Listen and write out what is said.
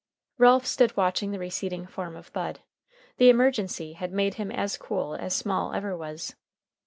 Ralph stood watching the receding form of Bud. The emergency had made him as cool as Small ever was.